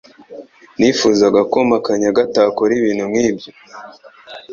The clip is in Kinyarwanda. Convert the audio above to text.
Nifuzaga ko Makanyaga atakora ibintu nkibyo